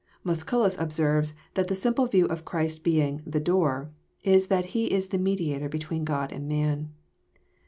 Musculus observes that the simple view of Christ being " the Door," is that He is the Mediator between God and man.